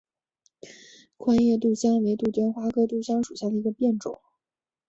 宽叶杜香为杜鹃花科杜香属下的一个变种。